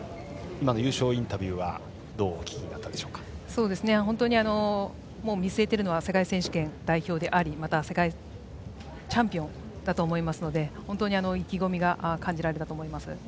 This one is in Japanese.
今の優勝インタビューはどうお聞きになったでしょうか？見据えてるのは世界選手権代表でありまた、世界チャンピオンだと思いますので意気込みが感じられたと思います。